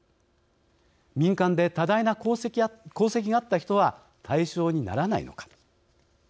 民間で多大な功績があった人は対象にならないのか。